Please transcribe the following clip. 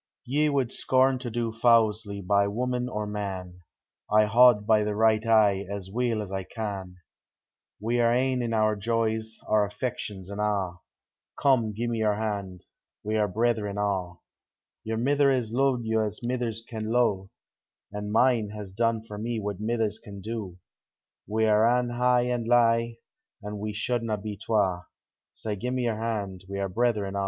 Ye would scorn to do fausely by woman or man; I baud by the right aye, as weel as I can; 23 Digitized by Google 354 P0EAI8 OF FRIENDSHIP. We are ane in our joys, our affect ions, an' a' : Come, gi'e me your hand, — we are brethren a\ Your mither has lo'ed you as mithers can lo'e; An' mine has done for me what mithers can do; We are ane high an' laigh, an' we shouldna be twa : Sae gi'e me your hand,— we are brethren a'.